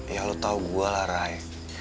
ya lo tau gue lah raya